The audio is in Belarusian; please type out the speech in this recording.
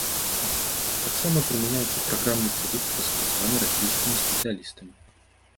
Таксама прымяняецца праграмны прадукт, распрацаваны расійскімі спецыялістамі.